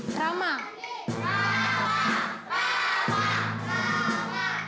rama rama rama rama